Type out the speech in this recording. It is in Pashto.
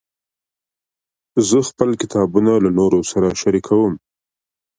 زه خپل کتابونه له نورو سره شریکوم.